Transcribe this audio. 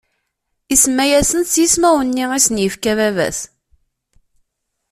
Isemma-asen s yismawen-nni i sen-ifka baba-s.